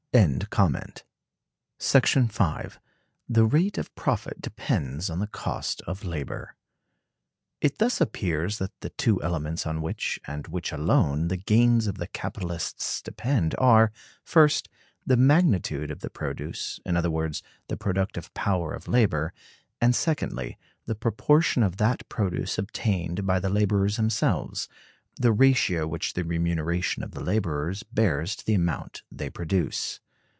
§ 5. The Rate of Profit depends on the Cost of Labor. It thus appears that the two elements on which, and which alone, the gains of the capitalists depend, are, first, the magnitude of the produce, in other words, the productive power of labor; and secondly, the proportion of that produce obtained by the laborers themselves; the ratio which the remuneration of the laborers bears to the amount they produce.